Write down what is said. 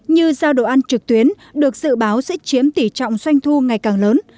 như giao đồ ăn trực tuyến được dự báo sẽ chiếm tỷ trọng doanh thu ngày càng lớn